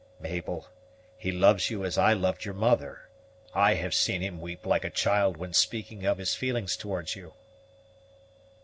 "Mabel, he loves you as I loved your mother. I have seen him weep like a child when speaking of his feelings towards you."